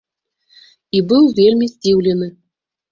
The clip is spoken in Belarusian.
І быў вельмі здзіўлены.